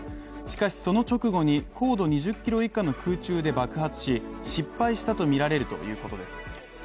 しかし、その直後に高度２０ｋｍ以下の空中で爆発し失敗したとみられるということです。